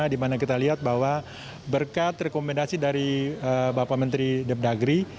di mana kita lihat bahwa berkat rekomendasi dari bapak menteri depdagri